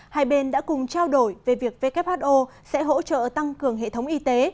hai bên đã cùng trao đổi về việc who sẽ hỗ trợ tăng cường hệ thống y tế